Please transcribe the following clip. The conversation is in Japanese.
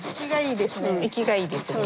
生きがいいですね。